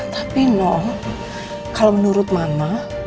tapi no kalau menurut mama